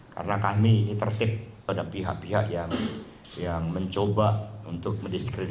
karena kami ini tertip pada pihak pihak yang mencoba untuk mendiskriminasi